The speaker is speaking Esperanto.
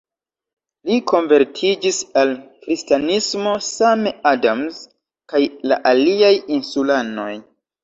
Li konvertiĝis al kristanismo, same Adams kaj la aliaj insulanoj.